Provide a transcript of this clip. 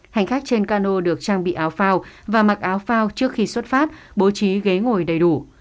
hành khách trên cano được trang bị áo phao và mặc áo phao trước khi xuất phát bố trí ghế ngồi đầy đủ